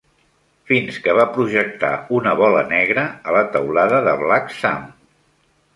Fins que va projectar una bola negra a la teulada de Black Sam.